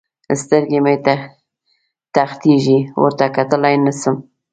سترګې مې تخېږي؛ ورته کتلای نه سم.